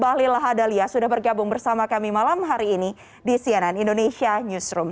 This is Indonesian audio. bahlil lahadalia sudah bergabung bersama kami malam hari ini di cnn indonesia newsroom